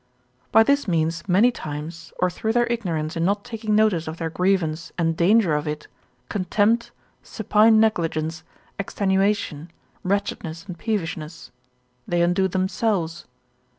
By this means many times, or through their ignorance in not taking notice of their grievance and danger of it, contempt, supine negligence, extenuation, wretchedness and peevishness; they undo themselves.